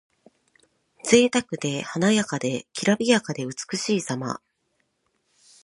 ぜいたくで華やかで、きらびやかで美しいさま。